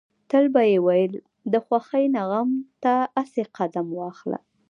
تل به يې ويل د خوښۍ نه غم ته اسې قدم واخله.